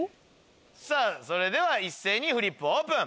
それでは一斉にフリップオープン。